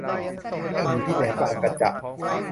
ตั้งอยู่ที่แหลมบางกะจะ